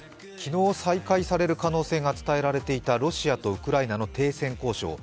昨日、再開される予定が伝えられていたロシアとウクライナの停戦交渉。